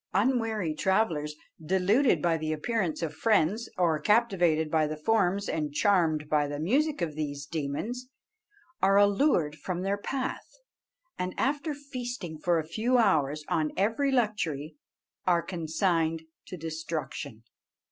Unwary travellers, deluded by the appearance of friends, or captivated by the forms and charmed by the music of these demons, are allured from their path, and after feasting for a few hours on every luxury, are consigned to destruction.